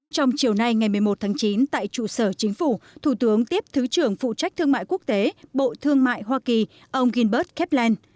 trong chiều nay ngày một mươi một tháng chín tại trụ sở chính phủ thủ tướng tiếp thứ trưởng phụ trách thương mại quốc tế bộ thương mại hoa kỳ ông gilbert kepland